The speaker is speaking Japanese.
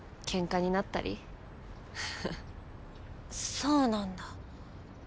そうなんだ。